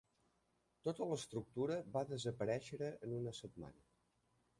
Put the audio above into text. Tota l'estructura va desaparèixer en una setmana.